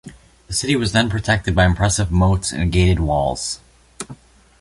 The city was then protected by impressive moats and gated walls.